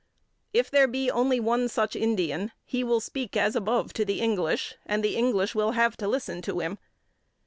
If there be only one such Indian, he will speak as above to the English, and the English will have to listen to him.